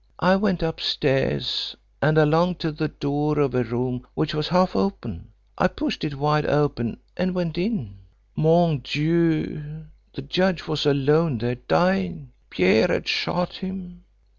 I went upstairs, and along to the door of a room which was half open. I pushed it wide open and went in. "Mon Dieu! the judge was alone there, dying. Pierre had shot him.